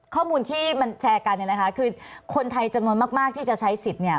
ข้อมูลที่มันแชร์กันคือคนไทยจำนวนมากที่จะใช้สิทธิ์